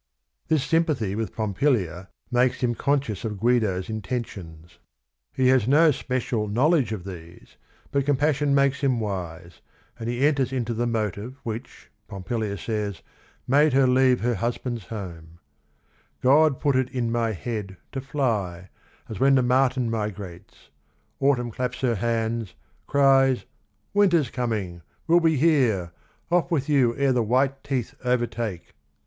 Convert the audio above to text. This sympathy with Pompilia makes him con scious of Guido's intentions. He has no special knowledge of these, but compassion makes him wise, and he enters into the motive, which, Pom pilia says, made her leave her husband's home: "' God put it in my head to fly, As when the marten migrates : autumn claps Her hands, cries "Winter 's coming, will be here, Off with you ere the white teeth overtake